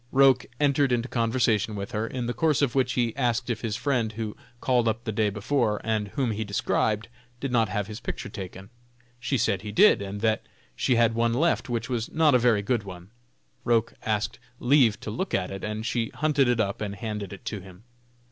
Roch entered into conversation with her, in the course of which he asked if his friend who called up the day before, and whom he described, did not have his picture taken. She said he did, and that she had one left, which was not a very good one. Roch asked leave to look at it, and she hunted it up and handed it to him.